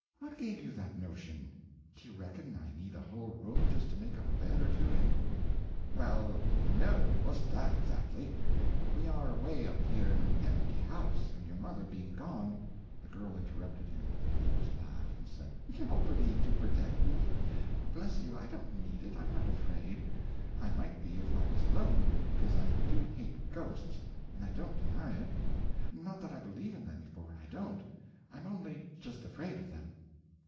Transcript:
"What gave you that notion? Do you reckon I need a whole room just to make up a bed or two in?" "Well no, it wasn't that, exactly. We are away up here in an empty house, and your mother being gone—" The girl interrupted him with an amused laugh, and said: "Nobody to protect me? Bless you, I don't need it. I'm not afraid. I might be if I was alone, because I do hate ghosts, and I don't deny it. Not that I believe in them, for I don't. I'm only just afraid of them."